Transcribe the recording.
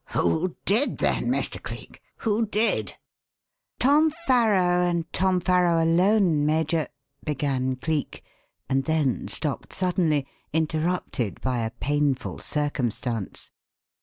"Who did, then, Mr. Cleek? who did?" "Tom Farrow and Tom Farrow alone, Major," began Cleek and then stopped suddenly, interrupted by a painful circumstance.